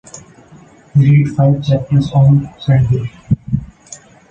Read five chapters on Sunday.